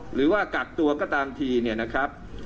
หรือว่ากักตัวก็ตามทีเนี่ยนะครับ